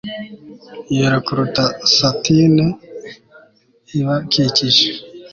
yera kuruta satine ibakikije